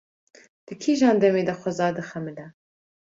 Di kîjan demê de xweza dixemile?